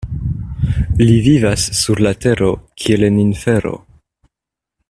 Li vivas sur la tero kiel en infero.